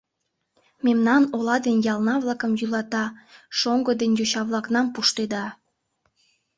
Мемнан ола ден ялна-влакым йӱлата, шоҥго ден йоча-влакнам пуштеда.